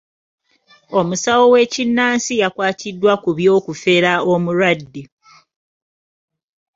Omusawo w'ekinnansi yakwatiddwa ku by'okufera omulwadde.